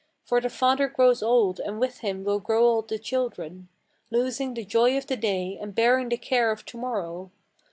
For the father grows old, and with him will grow old the children, Losing the joy of the day, and bearing the care of tomorrow.